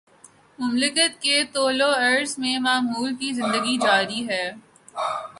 مملکت کے طول وعرض میں معمول کی زندگی جاری ہے۔